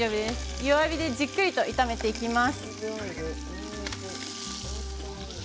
弱火でじっくりと炒めていきます。